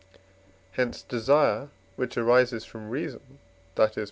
Hence desire, which arises from reason, that is (III.